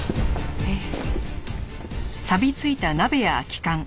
ええ。